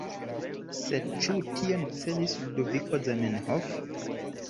Sed ĉu tion celis Ludoviko Zamenhof?